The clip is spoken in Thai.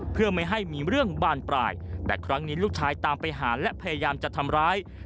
เพื่อไม่ให้มีเรื่องบานปลายแต่ครั้งนี้ลูกชายตามไปหาและพยายามจะทำร้าย